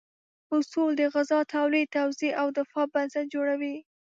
اصول د غذا تولید، توزیع او دفاع بنسټ جوړوي.